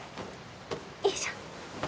よいしょ。